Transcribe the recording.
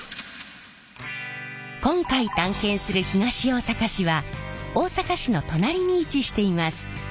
今回探検する東大阪市は大阪市の隣に位置しています。